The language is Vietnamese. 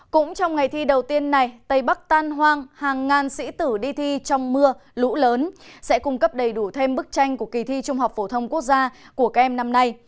cũng trong ngày thi đầu tiên này tây bắc tan hoang hàng ngàn sĩ tử đi thi trong mưa lũ lớn sẽ cung cấp đầy đủ thêm bức tranh của kỳ thi trung học phổ thông quốc gia của các em năm nay